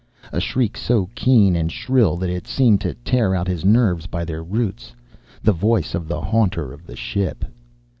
A shriek so keen and shrill that it seemed to tear out his nerves by their roots. The voice of the haunter of the ship.